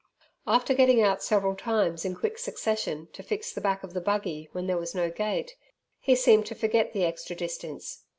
After getting out several times in quick succession to fix the back of the buggy when there was no gate, he seemed to forget the extra distance.